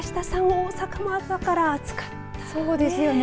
大阪も朝から暑かったですね。